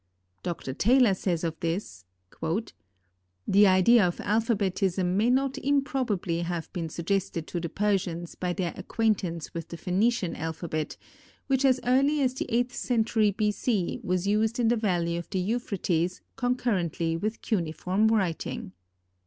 Dr. Taylor says of this: "The idea of alphabetism may not improbably have been suggested to the Persians by their acquaintance with the Phœnician alphabet, which as early as the eighth century B. C. was used in the valley of the Euphrates concurrently with cuneiform writing."